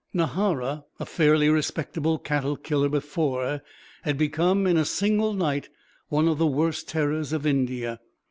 Nahara, a fairly respectable cattle killer before, had become in a single night one of the worst terrors of India.